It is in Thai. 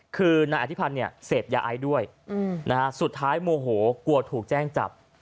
คือนายอธิพันธ์เนี่ยเสพยาไอด้วยสุดท้ายโมโหกลัวถูกแจ้งจับ